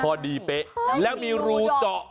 เป๊ะแล้วมีรูเจาะ